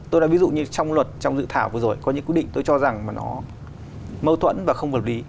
tôi nói ví dụ như trong luật trong dự thảo vừa rồi có những quy định tôi cho rằng mà nó mâu thuẫn và không hợp lý